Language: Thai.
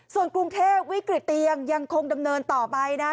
ส่วนกรุงเทพวิกฤตเตียงยังคงดำเนินต่อไปนะ